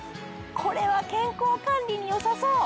これは健康管理によさそう！